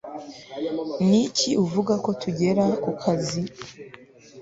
niki uvuga ko tugera kukazi